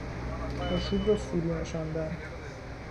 آشوب را فرونشاندن